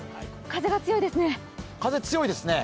風が強いですね。